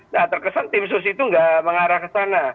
nah terkesan tim sus itu tidak mengarah ke sana